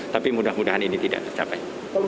tapi mudah mudahan ini tidak tercapai